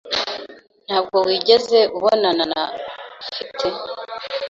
Ntabwo wigeze ubonana na , ufite?